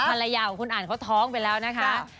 ภรรยาของคุณอ่านเขาท้องไปแล้วนะคะ